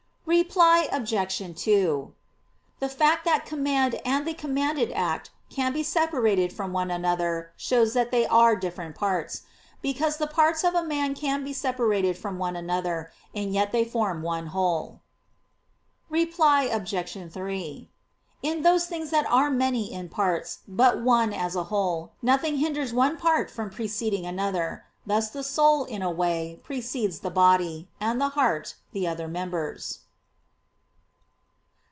Reply Obj. 2: The fact that command and the commanded act can be separated from one another shows that they are different parts. Because the parts of a man can be separated from one another, and yet they form one whole. Reply Obj. 3: In those things that are many in parts, but one as a whole, nothing hinders one part from preceding another. Thus the soul, in a way, precedes the body; and the heart, the other members.